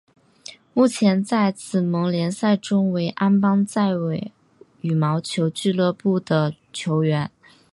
目前在紫盟联赛中为安邦再也羽毛球俱乐部的球员。